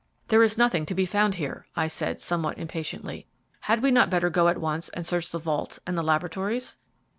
"There is nothing to be found here," I said, somewhat impatiently. "Had we not better go at once and search the vaults and the laboratories?"